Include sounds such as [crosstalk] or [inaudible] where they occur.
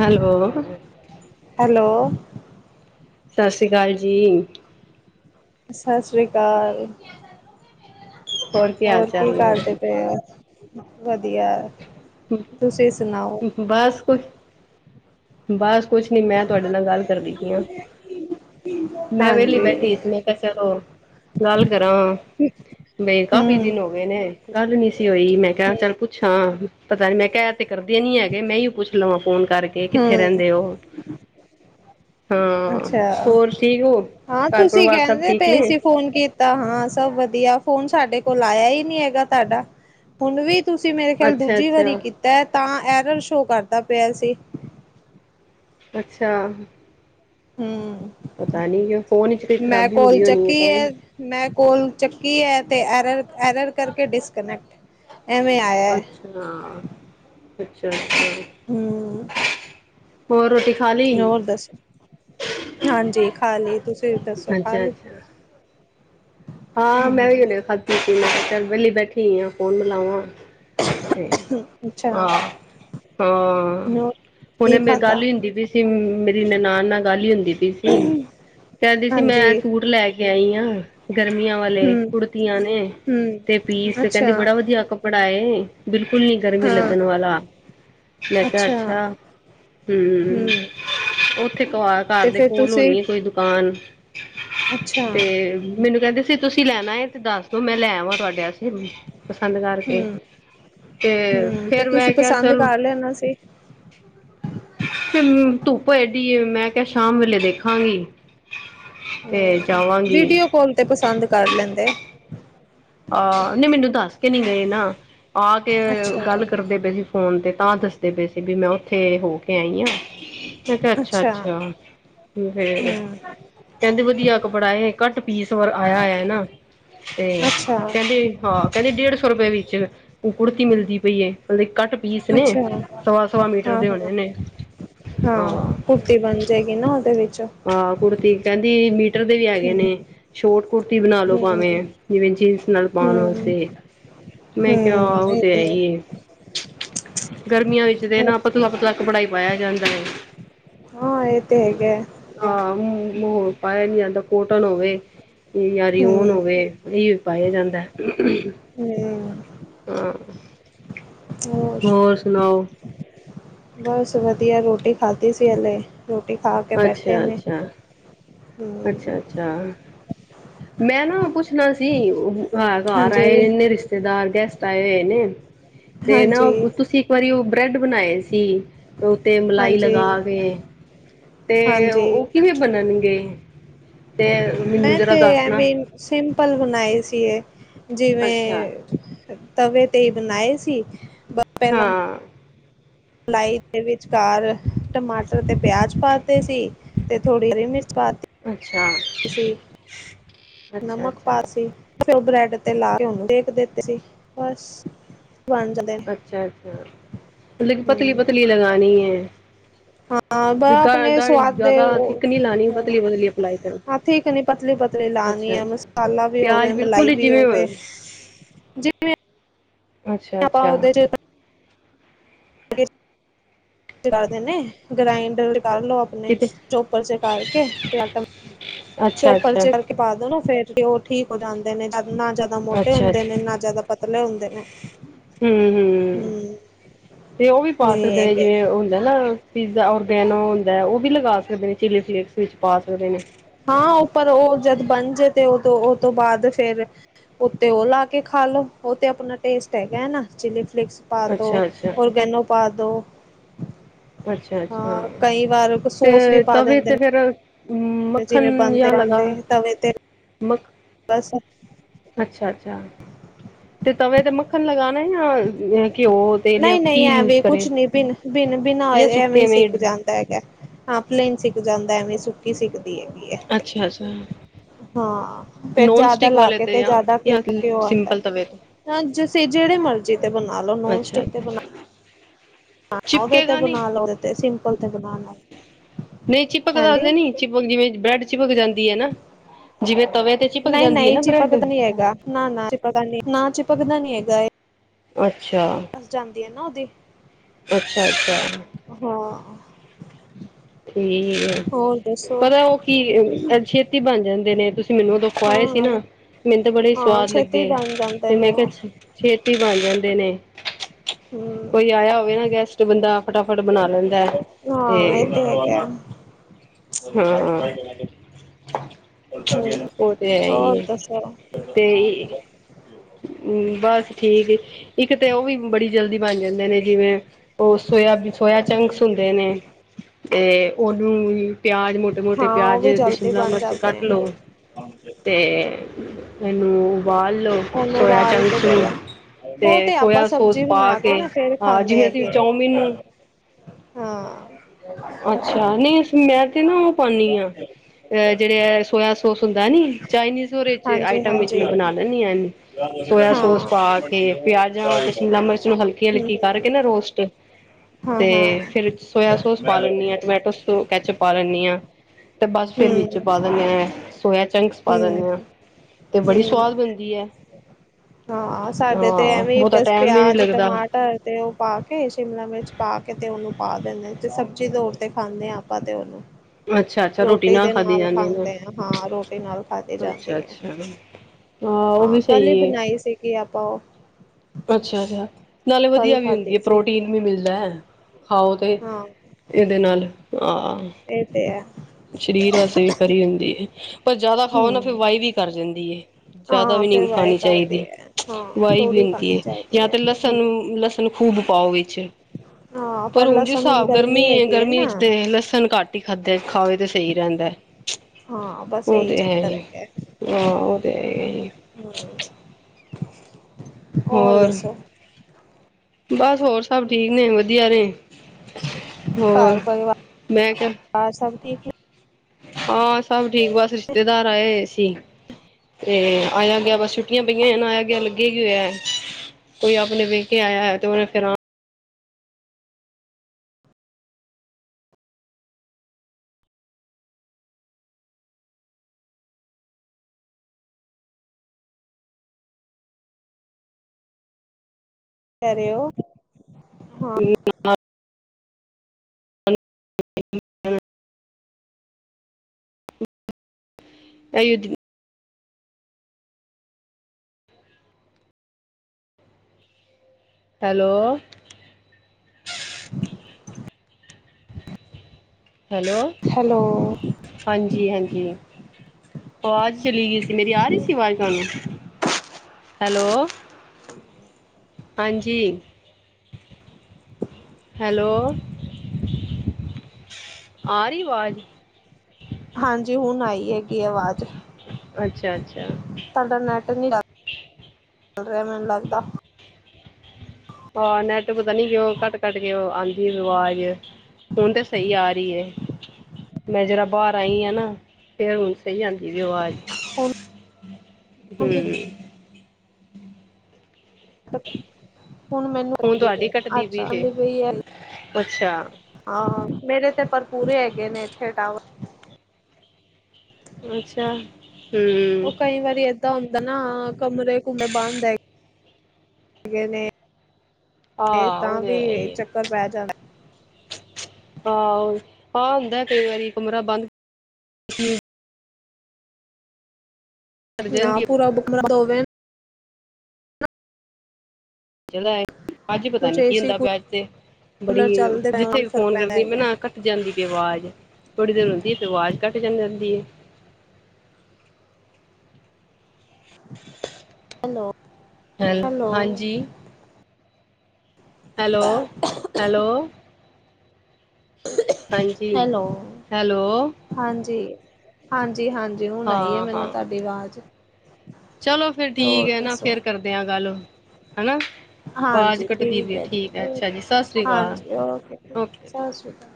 Hello hello ਸਾਸੀ ਕਾਲ ਜੀ। ਸਸ ਸ੍ਰੀ ਕਾਲ ਹਾਲ ਹੋਰ ਚਾਲ ਕੀ ਕਰਦੇ? ਨੇ ਤੇ ਵਦੀਆ। [unintelligible] ਬਸ ਕੁਛ ਬਸ ਕੁਛ ਨੀ ਮੈਂ ਤੁਆਡੇ ਨਾਲ ਗੱਲ ਕਰਦੀ ਪਈ ਆਂ। ਮੈਂ ਵਿਹਲੀ ਹਾਂਜੀ ਬੈਠੀ ਸੀ ਮੈਂ ਕਿਆ ਚਲੋ ਗੱਲ ਕਰਾਂ। ਬਈ ਕਾਫੀ ਹਮ ਦਿਨ ਹੋ ਗਏ ਨੇ ਗੱਲ ਨੀ ਸੀ ਹੋਈ ਮੈਂ ਕਿਆ ਚੱਲ ਪੁੱਛਾਂ। ਪਤਾ ਨੀ ਮੈਂ ਕਿਆ ਏਤੇ ਕਰਦੇ ਨੀ ਹੈਗੇ ਮੈਂ ਯੋ ਪੁੱਛ ਲਵਾਂ ਫੋਨ ਕਰਕੇ ਕਿੱਥੇ ਹਮ ਰਹਿੰਦੇ ਉਹ। ਹਾਂ, ਅੱਛਾ ਹੋਰ ਠੀਕ ਹੋ ਹਾਂ ਘਰ ਤੁਸੀਂ ਪਰਿਵਾਰ ਸਭ ਕਹਿੰਦੇ ਠੀਕ ਪਏ ਨੇ। ਸੀ ਫੋਨ ਕੀਤ ਤਾਂ ਹਾਂ ਸਭ ਵਦੀਆ, ਫੋਨ ਸਾਡੇ ਕੋਲ ਆਇਆ ਈ ਨੀ ਐਗਾ ਤੁਆਡਾ ਹੁਣ ਵੀ ਤੁਸੀਂ ਮੇਰੇ ਖਿਆਲ ਅੱਛਾ ਦੂਜੀ ਵਾਰੀ ਅੱਛਾ ਕੀਤਾ ਤਾਂ ਐਰਰ ਸ਼ੋਅ ਕਰਦਾ ਪਿਆ ਸੀ। ਅੱਛਾ। ਹੂੰ। ਪਤਾ ਨੀ ਕਿਉ ਫੋਨ ਵਿੱਚ ਕੋਈ ਖਰਾਬੀ ਹੋਗੀ ਹੋਣੀ ਐ ਚੱਕੀ ਤਾਂ ਹੈ ਈ। ਮੈਂ ਕੋਲ ਚੱਕੀ ਐ ਤੇ ਐਰਰ ਐਰਰ ਕਰਕੇ ਡਿਸਕਨੈਕਟ ਐਵੇਂ ਆ ਅੱਛਾ, ਅੱਛਾ-ਅੱਛਾ, ਹਮ ਹੋਰ ਰੋਟੀ ਖਾ ਲਈ ਹੋਰ ਦੱਸੋ, ਹਾਂਜੀ ਖਾ ਲਈ ਤੁਸੀਂ ਤੁਸੀਂ ਦੱਸੋ ਖਾ ਅੱਛਾ ਲਈ। ਅੱਛਾ ਹਾਂ ਮੈਂ ਵੀ ਹੂੰ ਹੁਣੇ ਖਾਦੀ ਸੀ, ਮੈਂ ਕਿਆ ਚਲ ਵਿਹਲੀ ਬੈਠੀ ਹੋਈ ਆ ਫੋਨ ਮਿਲਾਵਾਂ। [unintelligible] ਅੱਛਾ ਹਾਂ, ਹੋਰ ਹੁਣੇ ਕੀ ਮੈਂ ਖਾਧਾ ਗੱਲ ਈ ਹੁੰਦੀ ਪਈ ਸੀ, ਮੇਰੀ ਨਨਾਨ ਨਾਲ ਗੱਲ ਈ ਹੁੰਦੀ ਦੀ ਸੀ ਕਹਿੰਦੀ ਸੀ ਮੈਂ ਹਾਂਜੀ ਸੂਟ ਲੈ ਕੇ ਆਈ ਆਂ। ਗਰਮੀਆਂ ਵਾਲੇ ਹੂੰ ਕੁੜਤੀਆਂ ਨੇ ਤੇ ਪੀਸ ਹੂੰ ਅੱਛਾ ਕਹਿੰਦੀ ਬੜਾ ਵਦੀਆ ਕੱਪੜਾ ਏ। ਬਿਲਕੁਲ ਨ ਗਰਮੀ ਹਾਂ ਲੱਗਣ ਵਾਲਾ, ਮੈਂ ਕਿਆ ਅੱਛਾ। ਹੂੰ, ਉੱਥੇ ਘਾਰ ਘਰ ਤੇ ਦੇ ਫਿਰ ਕੋਲ ਤੁਸੀਂ ਹੋਣੀ ਹੈ ਕੋਈ ਦੁ ਕਾਨ ਅੱਛਾ ਤੇ ਮੈਨੂੰ ਕਹਿੰਦੇ ਸੀ ਤੁਸੀਂ ਲੈਣਾ ਐ ਤੇ ਦੱਸ ਦੋ ਮੈਂ ਲੈ ਆਵਾਂ ਤੁਆਡੇ ਆਸਤੇ। ਪਸੰਦ ਕਰਕੇ ਹੂੰ ਤੇ ਹੂੰ ਤੇ ਫੇਰ ਤੁਸੀਂ ਮੈਂ ਕਿਆ ਪਸੰਦ ਚਲ ਕਰ ਲੈਣਾ ਸੀ ਧੁੱਪ ਐਡੀ ਏ ਮੈਂ ਕਿਆ ਸ਼ਾਮ ਵੇਲੇ ਦੇਖਾਂਗੀ। ਤੇ ਹੂੰ ਜਾਵਾਂਗੀ। ਵੀਡੀਓ ਕਾਲ ਤੇ ਪਸੰਦ ਕਰ ਲੈਂਦੇ। ਆਹ ਨਹੀਂ ਮੈਨੂੰ ਦੱਸ ਕੇ ਨਈ ਗਏ ਨਾ ਆ ਕੇ ਅੱਛਾ ਗੱਲ ਕਰਦੇ ਪਏ ਸੀ। ਫੋਨ ਤੇ ਤਾਂ ਦੱਸਦੇ ਪਏ ਸੀ ਵੀ ਮੈਂ ਉੱਥੇ ਹੋ ਕੇ ਆਈ ਆ। ਮੈਂ ਕਿਆ ਅੱਛਾ ਅੱਛਾ ਹੂ ਫੇਰ। ਹੂੰ ਕਹਿੰਦੇ ਵਦੀਆ ਕੱਪੜਾ ਏ ਕੱਟ ਪੀਸ ਓਰ ਆਇਆ ਓਯਾ ਨਾ, ਤੇ ਅੱਛਾ ਤੇ ਹਾਂ ਕਹਿੰਦੇ ਡੇਢ ਸੌ ਰੁਪਏ ਵਿੱਚ ਕੁੜਤੀ ਮਿਲਦੀ ਪਈ ਏ ਮਤਲਬ ਕੱਟ ਪੀਸ ਨੇ ਅੱਛਾ ਸਵਾ-ਸਵਾ ਮੀਟਰ ਹਾਂ ਦੇ ਹਾਂ ਹੋਣੇ ਨੇ, ਆਹ। ਤੇ ਬਣ ਜੇਗੀ ਨਾ ਉਹਦੇ ਵਿੱਚ ਆਹ, ਕੁੜਤੀ ਕਹਿੰਦੀ ਮੀਟਰ ਦੇ ਵੀ ਹੈਗੇ ਹੂੰ ਨੇ। ਸ਼ੋਰਟ ਕੁੜਤੀ ਬਣਾ ਲਓ ਭਾਵੇਂ ਹੂੰ-ਹੂੰ-ਹੂੰ ਜਿਵੇਂ ਜੀਨਸ ਨਾਲ ਪਾਨ ਇਹ ਵਾਸਤੇ। ਮੈਂ ਕਿਆ ਉਹ ਤੇ ਹੈ ਈ ਏ। ਗਰਮੀਆਂ ਵਿੱਚ ਤੇ ਨਾ, ਪਤਲਾ-ਪਤਲਾ ਕਪੜਾ ਈ ਪਾਇਆ ਜਾਂਦਾ ਏ। ਾਂ ਇਹ ਤੇ ਹੈਗੇ। ਆਹ ਮੁ ਮੋ ਪਾਇਆ ਨੀ ਜਾਂਦਾ ਕੋਟਨ ਹੋਵੇ ਯਾ ਰਿਓਨ ਹੋਵੇ। ਹੂੰ-ਹੂੰ ਅਇਓ ਈ ਪਾਇਆ ਜਾਂਦਾ। ਹਾਂ। ਹੋਰ ਸੁਣਾਓ? ਬਸ ਵਦੀਆ ਰੋਟੀ ਖਾਧੀ ਸੀ ਹਲੇ, ਰੋਟੀ ਖਾ ਕੇ ਬੈਠੇ ਅੱਛਾ ਨੇ। ਅੱਛਾ ਹੂੰ ਅੱਛਾ-ਅੱਛਾ ਆ, ਮੈਂ ਨਾ ਪੁੱਛਣਾ ਸੀ, ਉਹ ਘਰ ਘਰ ਆਏ ਇਹਨੇ ਰਿਸ਼ਤੇਦਾਰ ਗੈਸਟ ਆਏ ਓਏ ਨੇ ਤੇ ਨਾ ਹਾਂਜੀ-ਹਾਂਜੀ-ਹਾਂਜੀ-ਹਾਂਜੀ ਤੁਸੀ ਪਰ ਉਹ ਬ੍ਰੈਡ ਬਣਾਏ ਸੀ, ਉੱਤੇ ਮਲਾਈ ਲਗਾ ਕੇ। ਤੇ, ਉਹ ਕਿਵੇਂ ਬਣਨਗੇ? ਤੇ ਮੈਨੂੰ ਮੈਂ ਜਰਾ ਤੇ, ਦੱਸਣਾ ਐਵੇਂ ਸਿੰਪਲ ਬਣਾਏ ਸੀ ਜਿਵੇਂ ਅੱਛਾ ਤਵੇ ਤੇ, ਬਣਾਏ ਸੀ। ਪਹਿਲਾਂ ਹਾਂ। ਮਲਾਈ ਦੇ ਵਿਚਕਾਰ ਟਮਾਟਰ ਤੇ ਪਿਆਜ ਪਾਤੇ ਸੀ। ਤੇ ਥੋੜੀ, ਹਰੀ ਮਿਰਚ ਪਾਤੀ। ਅੱਛਾ। ਸੀ [inaudible] ਨਮਕ ਅੱਛਾ-ਅੱਛਾ, ਪਾਸੀ ਉਹ ਬ੍ਰੈਡ ਤੇ ਲਾਕੇ ਹੁਨ, ਦੇਖ ਦਿੱਤੇ ਸੀ, ਬਸ ਬਣ ਜ ਅੱਛਾ-ਅੱਛਾ ਮਤਲਬ ਕਿ, ਹਮ ਪਤਲੀ-ਪਤਲੀ ਲਗਾਨੀ ਏ। ਹਾਂ ਬ ਥਿੱਕਾ, ਗ ਆਪਣੇ ਸਵਾਦ ਦੇ ਜਿਆਦਾ, ਥਿੱਕ ਨਹੀਂ ਲਾਣੀ ਪਤਲੀ-ਪਤਲੀ ਅਪਲਾਈ ਕਰ ਥੀਕ ਨੀ, ਪਤਲੀ-ਪਤਲੀ ਲਾਣੀ ਆ, ਮਸਾਲਾ ਵੀ ਪਿਆਜ ਹੋਵੇ, ਮਲਾਈ ਬਿਲਕੁਲ ਵੀ ਹੋਵੇ। ਜਿਵੇਂ ਜਿਵੇਂ ਆਪਾਂ ਅੱਛਾ-ਅੱਛਾ। ਅ [inaudible] ਕਰਦੇ ਨੇ, ਗ੍ਰਾਇੰਡਰ ਕਰਲੋ ਅਪਣੇ ਕਿਤੇ ਚੋਪਰ 'ਚ ਕਰਕੇ, ਆਟਾ ਅੱਛਾ ਅੱਛਾ ਚੋਪਰ'ਚ ਕਰਕੇ ਪਾਦੋ ਨਾ ਫੇਰ ਉਹ ਠੀਕ ਹੋ ਜਾਂਦੇ ਨੇ, ਨਾ ਜਿਆਦਾ ਅੱਛਾ ਮੋਟੇ ਅੱਛਾ ਹੁੰਦੇ ਨੇ, ਨਾ ਜਿਆਦਾ ਪਤਲੇ ਹੁੰਦੇ ਨੇ। ਹੂੰ, ਹੂੰ, ਹਮ ਤੇ ਉਹ ਵੀ ਪਾ ਇਹ ਸਕਦੇ ਨੇ ਹੈਗੇ ਜਿਵੇਂ, ਉਹ ਹੁੰਦਾ ਨਾ ਪੀਜ਼ਾ ਔਰਗੈਨੋ ਹੁੰਦਾ ਹੈ, ਉਹ ਵੀ ਲਗਾ ਸਕਦੇ ਨੇ। ਚਿੱਲੀ ਫਲੇਕਸ ਵਿੱਚ ਪਾ ਸਕਦੇ ਨੇ। ਹਾਂ, ਉਹ ਪਰਰ ਉਹ ਜਦ ਬਣ ਜੇ, ਤੇ ਉਹ- ਉਹ ਤੋਂ ਬਾਅਦ ਫਿਰ ਉੱਤੇ ਉਹ ਲਾਕੇ ਖਾਲੋ, ਉਹ ਤੇ ਆਪਣਾ ਟੇਸਟ ਹੈਗਾ ਹੈ ਨਾ, ਚਿਲੀ ਫਲੇਕਸ ਪਾਦੋ, ਅੱਛਾ ਅੱਛਾ ਔਰਗੈਨੋ ਪਾਦੋ। ਅੱਛਾ ਅੱਛਾ ਹਾਂ, ਕਈ ਵਾਰ ਸੋਸ ਵੀ ਤੇ ਪਾ ਤਵੇ ਦਿੰਦੇ ਤੇ ਨੇ। ਫਿਰ ਜਿਵੇਂ ਮੱਖਣ ਬਣਦੇ- ਜਾਂ ਲਗਾ ਬਣਦੇ ਤਵੇ ਤੇ, ਬਸ। ਅੱਛਾ-ਅੱਛਾ, ਤੇ ਤਵੇ ਤੇ, ਮ ਮੱਖਣ ਲਗਾਨਣਾ ਜਾਂ ਘਿਓ, ਤੇਲ ਯਾ, ਕੀ ਯੂਜ ਕਰੇ। ਬੀਨ-ਬੀਨ ਬਿਨਾਂ, ਜਾਂ ਐਵੇਂ ਹੀ ਸੁੱਕੇ ਸਿੱਕ ਮੇਡ ਜਾਂਦਾ ਹੈਗਾ, ਹਾਂ ਪਲੇਨ ਸਿੱਕ ਜਾਂਦਾ, ਐਵੇਂ ਸੁੱਕੀ ਸਿੱਕ ਤੇ ਹੈਗੀ ਆ ਅੱਛਾ-ਅੱਛਾ। ਹਾਂ, ਫੇਰ ਜਿਆਦਾ ਲਾਕੇ ਤੇ ਜਾਂ ਜਿਆਦਾ ਘਿਉ, ਜਾਂ ਘਿਉ ਆਂਦੈ। ਸਿੰਪਲ ਤਵੇ ਤੇ ਹ ਜਸੀਂ ਜਿਹੜੇ ਮਰਜ਼ੀ ਤੇ ਬਣਾਲੋ। ਨੋਨ ਅੱਛਾ ਸਟੀਕ ਤੇ ਬ ਹਾਂ ਉਹਦੇ ਤੇ ਬਣਾਲੋ, ਨਹੀਂ ਤੇ ਸਿੰਪਲ ਤੇ ਬਣਾਲੋ। ਨਹੀਂ, ਚੀਪਕਦਾ ਤੇ ਨਹੀ? ਚੀਪਕ ਜਿਵੇਂ ਬ੍ਰੈਡ ਚਿਪਕ ਜਾਂਦੀ ਹੈ ਨਾ, ਜਿਵੇਂ ਤਵੇ ਤੇ ਚਿਪਕ ਜਾਂਦੀ ਹੈ ਨਹੀਂ-ਨਹੀਂ ਨਾ ਬ੍ਰੈਡ ਚਿਪਕਦਾ ਨਹੀਂ ਹੈਗਾ ਨਾ-ਨਾ ਚਿਪਕ ਨਾ ਚਿਪਕਦਾ ਨਹੀਂ ਹੈਗਾ ਏ। ਅੱਛਾ। ਜਾਂਦੀ ਏ ਨਾ ਉਦੀ। ਅੱਛਾ-ਅੱਛਾ। ਹਾਂ। ਠੀਕ ਹੋਰ ਏ, ਦੱਸੋ ਪਤਾ ਉਹ ਕੀ, ਛੇਤੀ ਬਣ ਜਾਂਦੇ ਨੇ। ਤੁਸੀਂ ਮੈਨੂੰ ਉਹਦੋਂ ਖਵਾਏ ਸੀ ਹਾਂ ਨਾ, ਮੈਨੂੰ ਤਾਂ ਬੜੇ ਹੀ ਹਾਂ ਸਵਾਦ ਛੇਤੀ ਲੱਗੇ। ਬਣ ਜਾਂਦੇ ਤੇ ਨੇ ਮੈਂ, ਉਹ ਕਿਹਾ ਛੇਤੀ ਬਣ ਜਾਂਦੇ ਨੇ। ਹਮ ਕੋਈ ਆਇਆ ਹੋਵੇ ਨਾ ਗੈਸਟ ਬੰਦਾ, ਫਟਾਫਟ ਬਣਾ ਲੈਂਦਾ ਤੇ ਹਾਂ ਹਾਂ [unintelligible] ਹੋਰ, ਹੋਰ ਦੱਸੋ? ਅਤੇ, ਬਸ ਠੀਕ ਏ। ਇੱਕ ਤੇ ਉਹ ਵੀ, ਬੜੀ ਜਲਦੀ ਬਣ ਜਾਂਦੇ ਨੇ ਜਿਵੇਂ, ਉਹ ਸੋਇਆ, ਸੋਯ ਚੰਕਸ ਹੁੰ ਦੇ ਨੇ, ਤੇ ਉਹਦੋਂ ਵੀ ਪਿਆਜ਼ ਮੋਟੇ-ਮੋਟੇ ਹਾਂ ਉਹ ਪਿਆਜ਼ ਵੀ ਤੇ ਜਲਦੀ ਸ਼ਿਮਲਾ ਬਣ ਮਿਰਚ ਜਾਂਦੇ ਕੱਟ ਲੋ। ਨੇ ਤੇ ਏਨੂੰ ਓਬਾਲ ਲੋ। ਓਨੂੰ ਓਬਾਲ ਕੇ ਪਹਿਲਾਂ ਔ ਤੇ ਆਪਾਂ ਸੋਇਆ ਸੋਸ ਸਬਜ਼ੀ ਪਾ ਬਣਾ ਕੇ ਨਾ ਫੇਰ ਹਾਂ ਖਾਂਦੇ ਜਿਵੇਂ ਅਸੀਂ ਹੈਗੇ। ਚੌਮਿਨ ਨੂੰ ਹਾਂ। ਅੱਛਾ ਨਹੀਂ ਅਸੀਂ ਮੈਂ ਤੇ ਨਾ ਪਾਉਦੀ ਹਾਂ [inaudible] ਜਿਹੜੇ ਏ ਸੋਯਾ ਸੋਸ ਹੁੰਦਾ ਨੀ ਚਾਈਨੀਜ਼ ਵਿੱਚ ਆਈਟਮ ਵਿੱਚ ਹਾਂਜੀ-ਹਾਂਜੀ। ਮੈਂ ਬਣਾ ਲੈਨੀ ਹਾਂ ਇੰਨੂ। ਸੋਇਆ ਹਾਂ। ਸੋਸ ਪਾ ਕੇ ਪਿਆਜਾਂ ਅਤੇ ਹੂੰ-ਹੂੰ, ਸ਼ਿਮਲਾ ਮਿਰਚ ਨੂੰ ਹਲਕੀ -ਹਲਕੀ ਕਰਕੇ ਨਾ ਰੋਸਟ ਹਾਂ -ਹਾਂ। ਫੇਿਰ ਸੋਇਆ ਸੋਸ ਪਾ ਲੈਂਨੀ ਆ ਟਮੈਟੋ ਸੋ--ਕੈਚਅਪ ਪਾ ਲੈਂਨੀ ਹਾਂ। ਤੇ ਬਸ ਫਿਰ ਵਿੱਚ ਹੂੰ-ਹੂੰ-ਹੂੰ। ਪਾ ਦਿੰਨੇ ਆ ਸੋਆ ਚੰਕਸ ਪਾ ਦੇਨੇ ਆ। ਤੇ ਬੜੀ ਸਵਾਦ ਬਣਦੀ ਐ। ਹਾਂ ਸਾਡੇ ਤੇ ਐਵੇਂ ਬਹੁਤਾ ਬਸ ਟਾਈਮ ਵੀ ਨਹੀਂ ਪਿਆਜ, ਲੱਗਦਾ ਟਮਾ ਘਰ ਤੇ ਉਹ ਪਾ ਕੇ ਸ਼ਿਮਲਾ ਮਿਰਚ ਪਾ ਕੇ ਤੇ ਉਹਨੂੰ ਪਾ ਦਿੰਦੇ ਤੇ ਸਬਜ਼ੀ ਤੌਰ ਤੇ ਖਾਂਦੇ ਹਾਂ ਆਪਾਂ ਤੇ ਉਹਨੂੰ। ਅੱਛਾ ਅੱਛਾ ਰੋਟੀ ਦੇ ਖਾਧੀ ਨਾਲ ਜਾਂਦੀ ਨਾ ਖਾਂਦੇ ਆ ਹਾਂ ਰੋਟੀ ਨਾਲ ਖਾਦੀ ਅੱਛਾ ਜਾਂਦੀ ਐ। ਅੱਛਾ ਹਾਂ ਉਹ ਹਾਂ ਵੀ ਕੱਲ ਹੀ ਸਹੀ ਹੈ ਬਣਾਈ ਸੀਗੀ ਆਪਾਂ ਉਹ। ਅੱਛਾ -ਅੱਛਾ ਨਾਲੇ ਕੱਲ ਵਧੀਆ ਵੀ ਹੁੰਦੀ ਖਾਧੀ ਏ ਸੀ ਪ੍ਰੋਟੀਨ ਵੀ ਮਿਲਦਾ। ਖਾਓ ਤੇ ਹਾਂ ਇਹਦੇ ਨਾਲ ਆ-ਆ ਇਹ ਤੇ ਏ। ਸਰੀਰ ਵਾਸਤੇ ਵੀ ਖਰੀ ਹੁੰਦੀ ਹੈ, ਪਰ ਜ਼ਿਆਦਾ ਖਾਓ ਨਾ ਫਿਰ ਹੂੰ। ਵਾਈ ਵੀ ਕਰ ਜਾਂਦੀ ਏ। ਜ਼ਿਆਦਾ ਹਾਂ ਵੀ ਫਿਰ ਨਹੀਂ ਵਾਏ ਖਾਣੀ ਕਰਦੇ ਚਾਹੀਦੀ ਹੈ ਹਾਂ ਵਾਈ ਵੀ ਥੋੜ੍ਹੀ ਹੁੰਦੀ ਖਾਣੀ ਹੈ ਚਾਹੀਦੀ ਜਾਂ ਹੈ ਤੇ ਹਮ ਲਸਣ ਲਸ ਇਨੂ ਖੂਬ ਪਾਓ ਵਿੱਚ। ਹਾਂ ਪਰ ਹੁਣ ਜੀਸ ਲਸਣ ਹਿਸਾਬ ਗਰਮੀ ਏ ਹੈਗੀ ਹੈ ਗਰਮੀ ਨਾ ਵਿਚ ਤੇ ਲਸਣ ਕੱਟ ਹੀ ਖਾਧਿਆ ਖਾਵੇ ਤਾਂ ਸਹੀ ਰਹਿੰਦਾ। ਹਾਂ ਬ ਹੁਣ ਤੇ ਹੈ ਈ ਏ, ਹਾਂ ਉਹ ਤੇ ਹੈ ਈ ਹੈ ਈ ਏ। ਹ ਹੋਰ ਦੱਸੋ? ਬਸ ਹੋਰ ਸਭ ਠੀਕ ਨੇ ਵਧੀਆ ਨੇ। ਹੋਰ ਘਰ ਮੈਂ ਕਿਹਾ ਪਰਿ---ਵਾਰ ਸਭ ਠੀਕ। ਹਾਂ, ਸਭ ਠੀਕ ਬਸ ਰਿਸ਼ਤੇਦਾਰ ਆਏ ਹੋਏ ਸੀ। ਤੇ ਆਇਆ ਗਿਆ ਬਸ ਛੁੱਟੀਆਂ ਪਈਆਂ ਨੇ ਆਇਆ ਗਿਆ ਲੱਗੀਆ ਹੀ ਹੋਆ ਏ। ਕੋਈ ਆਪਣੇ ਪੇਕੇ ਆਇਆ ਹੋਇਆ ਤੇ ਉਹਨੇ ਫੇਰ ਆ ਕੇਰੇਓ [inaudible] [inaudible] ਹੈਲੋ, ਹੈਲੋ, ਹੈਲੋ, ਹਾਂਜੀ- ਹਾਂਜੀ। ਆਵਾਜ਼ ਚਲੀ ਗਈ ਸੀ ਮੇਰੀ, ਆ ਰਹੀ ਸੀ ਆਵਾਜ਼ ਤੁਹਾਨੂੰ? ਹੈਲੋ। ਹਾਂਜੀ, ਹੈਲੋ। ਆ ਰੀ ਆਵਾਜ਼। ਹਾਂਜੀ ਹੁਣ ਆਈ ਹੈਗੀ ਆਵਾਜ਼। ਅੱਛਾ -ਅੱਛਾ। ਸਾਡਾ ਨੈਟ ਨੀ ਚੱਲ ਰਿਹਾ ਮੈਨੂੰ ਲੱਗਦਾ। ਆਹ ਨੈੱਟ ਪਤਾ ਨੀ ਕਿਉ? ਕੱਟ -ਕੱਟ ਕੇ ਆਂਦੀ ਵੀ ਆਵਾਜ਼। ਹੁਣ ਤੇ ਸਹੀ ਆ ਰਹੀ ਏ। ਮੈਂ ਜਰਾ ਬਾਹਰ ਆਈ ਆਾਂ ਨਾ ਫਿਰ ਹੁਣ ਸਹੀ ਆਂਦੀ ਪਈ ਆਵਾਜ਼। ਹੁਣ ਵੀ ਹਮ-ਮ। ਹੁਣ ਮੈਨੂੰ ਹੁਣ ਲੱਗਦੇ ਤੁਹਾਡੀ ਪਏ, ਕੱਟਦੀ ਅੱਜ ਜੇ ਆਂਦੀ ਪਈ ਐ। ਅੱਛਾ ਆਹੋ ਮੇਰੇ ਤੇ ਪਰ ਪੂਰੇ ਹੈਗੇ ਨੇ ਇੱਥੇ ਟਾਵਰ। ਅੱਛਾ, ਹੂੰ ਉਹ ਕਈ ਵਾਰੀ ਏਦਾਂ ਹੁੰਦਾ ਨਾ, ਕਮਰੇ- ਕਮੁਰੇ ਬੰਦ ਹੈਗੇ ਹੈਗੇ ਨੇ। ਤੇ ਆਹ ਉਹ ਤਾਂ ਹੈ ਵੀ ਈ ਚੱਕਰ ਪੈ ਜਾਣਾ। ਆਹੋ, ਹਾਂ ਹੁੰਦਾ ਕਈ ਵਾਰੀ ਕਮਰਾ ਬੰਦ। ਕਰ ਹਾਂ ਜਾਂਦੀ ਪੂਰਾ ਬੁ ਕਮਰਾ ਦੋਵੇਂ ਚ ਅੱਜ ਪਤਾ ਕੁਛ ਨੀ ਕੀ ਏਸੀ ਹੁੰਦਾ ਪਿਆ, ਅੱਜ ਤੇ ਬੜੀ ਕੂਲਰ ਚੱਲਦੇ ਪਏ ਜਿੱਥੇ ਵੀ ਫ਼ਰਕ ਫੋਨ ਪੈਂਦਾ ਕਰਦੀ ਮੈਂ ਹੈਗਾ। ਨਾ ਕੱ ਕੱਟ ਜਾਂਦੀ ਏ ਆਵਾਜ਼, ਥੋੜੀ ਦੇਰ ਆਂਦੀ ਤੇ ਆਵਾਜ਼ ਕੱਟ ਜਾਂਦੀ ਏ। ਹੈਲੋ, ਹੈ ਹੈਲੋ। ਹਾਂਜੀ ਹੈਲੋ- ਹੈਲੋ, ਹਾਂਜੀ, ਹੈਲੋ ਹੈਲੋ ਹਾਂਜੀ -ਹਾਂਜੀ- ਹਾਂਜੀ ਹੁਣ ਆਈ ਐ, ਹਾਂ ਹਾਂ ਮੈਨੂੰ ਤੁਹਾਡੀ ਆਵਾਜ਼। ਚਲੋ ਫੇਰ ਠੀਕ ਹੋਰ ਹੈ ਨਾ, ਦੱਸੋ? ਫੇਰ ਕਰਦੇ ਆ ਗੱਲ ਹਨਾ। ਵਾਜ਼ ਹਾਂਜੀ ਕੱਟਦੀ ਵੀ ਐ ਹੈ ਜੀ, ਠੀਕ ਐ, ਅੱਛਾ ਜੀ ਓਕੇ ਸਸ ਰੀ ਕਾਲ ਹਾਂਜੀ ਓਕੇ ਓਕੇ। ਸਤਿ ਸ਼੍ਰੀ ਅਕਾਲ।